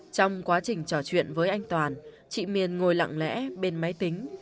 trong quá trình trò chuyện với anh toàn chị miền ngồi lặng lẽ bên máy tính